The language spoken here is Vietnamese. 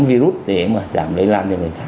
virus để mà giảm lây lan cho người khác